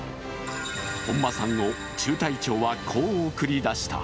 本間さんを中隊長はこう送り出した。